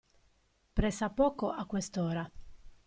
Press'a poco a quest'ora.